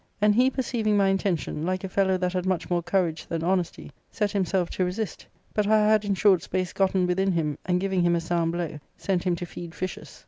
* And he perceiving my intention, like a fellow that had much more courage than honesty, set himself to resist ; but I had in short space gotten within him,t and, giving him a sound blow, sent him to feed fishes.